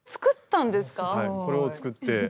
これを作って。